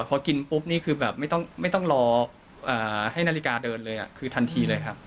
พอกินปุ๊บนี่คือแบบไม่ต้องรอให้นาฬิกาเดินเลยคือทันทีเลยครับ